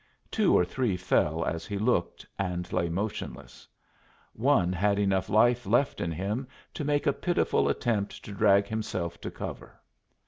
Two or three fell as he looked, and lay motionless. One had enough of life left in him to make a pitiful attempt to drag himself to cover.